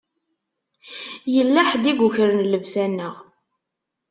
Yella ḥedd i yukren llebsa-nneɣ.